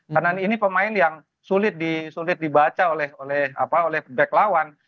karena ini pemain yang sulit dibaca oleh back lawan